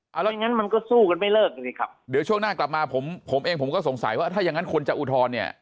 เอาแล้วอย่างงั้นมันก็สู้กันไม่เลิกดูสิครับเดี๋ยวช่วงหน้ากลับมาผมผมเองผมก็สงสัยว่าถ้าอย่างงั้นคนจะอุทธรณ์เนี่ย